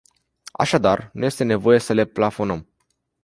Așadar, nu este nevoie să le plafonăm.